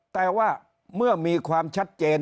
แต่ว่าเมื่อมีความชัดเจน